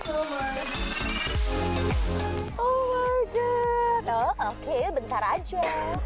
oh my god oke bentar aja